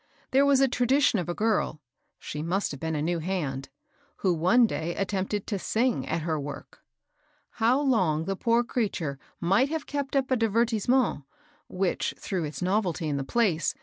There was a tradition of a girl, — she must have been a new hand, — who one day attempted to sing at her work. How long the poor creature might have kept up a divertise ment, which, through its novelty in the place, THE Saa'i.